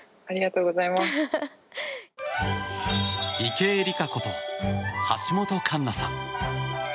池江璃花子と橋本環奈さん。